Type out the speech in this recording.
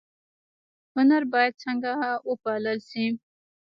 هنر باید څنګه وپال ل شي؟